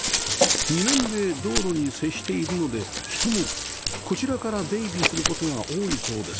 ２面で道路に接しているので人もこちらから出入りする事が多いそうです